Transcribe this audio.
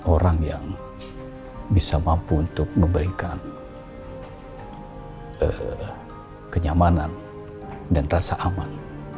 orang yang bisa mampu untuk memberikan kenyamanan dan rasa aman